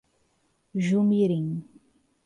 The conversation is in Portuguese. Jumirim